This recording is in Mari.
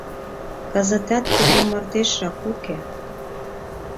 «Кызытат кугу мардежшак уке».